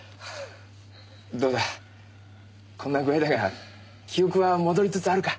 どうだこんな具合だが記憶は戻りつつあるか？